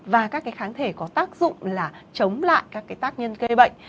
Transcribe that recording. và các cái kháng thể có tác dụng là chống lại các cái tác nhân gây bệnh